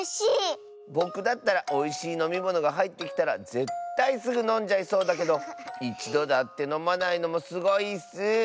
ぼくだったらおいしいのみものがはいってきたらぜったいすぐのんじゃいそうだけどいちどだってのまないのもすごいッス。